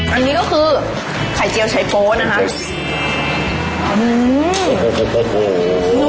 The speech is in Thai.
อันนี้ก็คือไข่เจียวชัยโป๊นะคะ